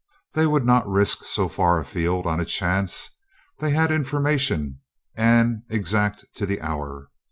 They would not risk so far afield on a chance. They had an information and exact to the hour.